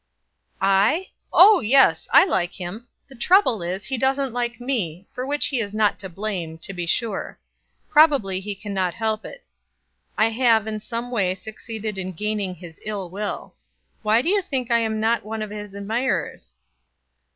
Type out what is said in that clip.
"I! Oh, yes, I like him; the trouble is, he doesn't like me, for which he is not to blame, to be sure. Probably he can not help it. I have in some way succeeded in gaining his ill will. Why do you think I am not one of his admirers?"